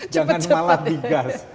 jangan malah digas